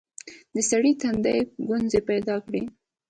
د سړي تندي ګونځې پيدا کړې.